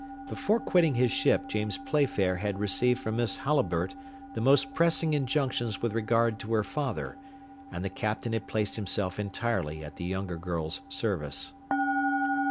Before quitting his ship James Playfair had received from Miss Halliburtt the most pressing injunctions with regard to her father, and the Captain had placed himself entirely at the young girl's service.